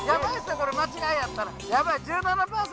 これ間違いやったらヤバい１７％。